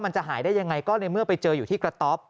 มันจะหายได้ยังไงก็ในเมื่อไปเจออยู่ที่กระต๊อบ